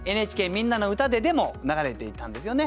「みんなのうた」ででも流れていたんですよね。